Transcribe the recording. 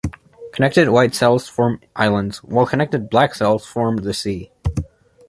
Connected white cells form "islands", while connected black cells form the "sea".